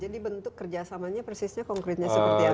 jadi bentuk kerjasamanya persisnya konkretnya seperti apa